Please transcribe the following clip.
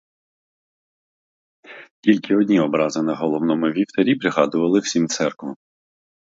Тільки одні образи на головному вівтарі пригадували всім церкву.